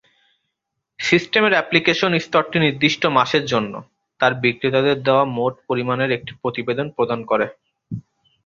সিস্টেমের অ্যাপ্লিকেশন স্তরটি নির্দিষ্ট মাসের জন্য তার বিক্রেতাদের দেওয়া মোট পরিমাণের একটি প্রতিবেদন প্রদান করে।